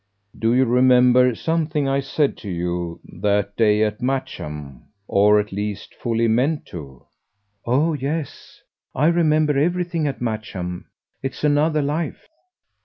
"Do you remember something I said to you that day at Matcham or at least fully meant to?" "Oh yes, I remember everything at Matcham. It's another life."